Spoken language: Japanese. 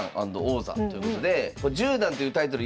十段というタイトル